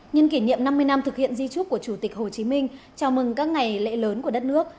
nhân kỷ niệm năm mươi năm thực hiện di trúc của chủ tịch hồ chí minh chào mừng các ngày lễ lớn của đất nước